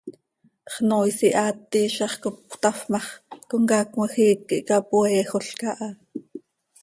Xnoois ihaat iizax cop cötafp ma x, comcaac cmajiic quih capoeejolca ha.